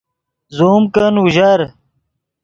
زوم کن اوژر